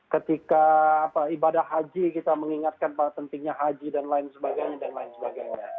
ketika ibadah haji kita mengingatkan pada pentingnya haji dan lain sebagainya dan lain sebagainya